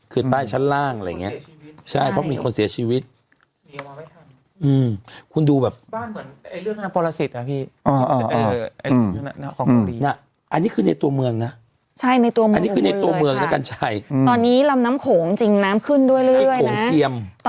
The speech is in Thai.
คือใต้ชั้นล่างอะไรอย่างนี้ใช่เพราะมีคนเสียชีวิต